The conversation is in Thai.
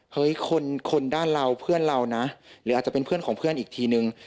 คนคนด้านเราเพื่อนเรานะหรืออาจจะเป็นเพื่อนของเพื่อนอีกทีนึง